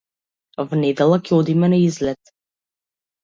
В недела ќе одиме на излет.